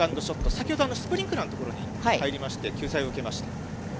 先ほど、スプリンクラーの所に入りまして、救済を受けました。